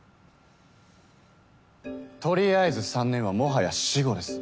とりあえず３年はもはや死語です。